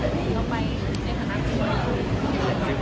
เราไปในฐานะจริง